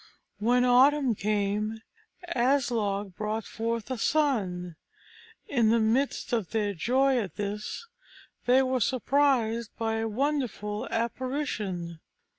When autumn came, Aslog brought forth a son. In the midst of their joy at this, they were surprised by a wonderful apparition.